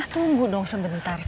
tunggu dong sebentar sih